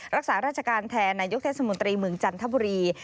รักษาราชการแทนนายกเทศมนตรีเมืองจันทบุรี